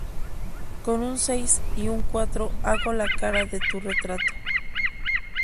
Con un seis y un cuatro hago la cara de tu retrato